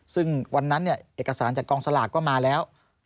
ซึ่งวันนั้นเอกสารจากกองสลากก็มาแล้ว